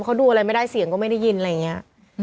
เขาดูอะไรไม่ได้เสียงก็ไม่ได้ยินอะไรอย่างนี้